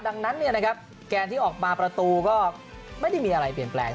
ดังนั้นแกนที่ออกมาประตูก็ไม่ได้มีอะไรเปลี่ยนแปลง